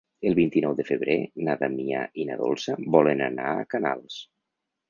El vint-i-nou de febrer na Damià i na Dolça volen anar a Canals.